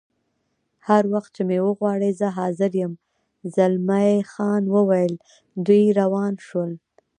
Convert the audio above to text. هر وخت چې مې وغواړې زه حاضر یم، زلمی خان وویل: دوی روان شول.